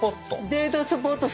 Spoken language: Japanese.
デート